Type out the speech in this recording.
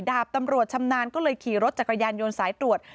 ดาบตำรวจชำนาญก็เลยขี่รถจักรยานยนต์สายตรวจ